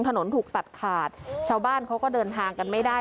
ถูกตัดขาดชาวบ้านเขาก็เดินทางกันไม่ได้